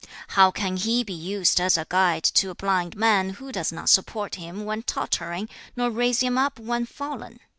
How can he be used as a guide to a blind man, who does not support him when tottering, nor raise him up when fallen?"